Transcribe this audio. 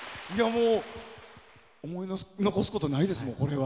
思い残すことはないです、これは。